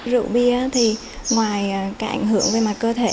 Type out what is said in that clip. rượu bia thì ngoài cả ảnh hưởng về mặt cơ thể